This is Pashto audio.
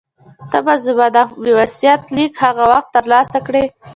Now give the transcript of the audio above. ته به زما دا وصیت لیک هغه وخت ترلاسه کړې.